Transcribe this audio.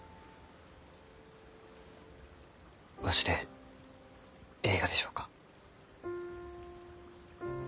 わしでえいがでしょうか？